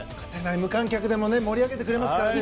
無観客でも盛り上げてくれますからね。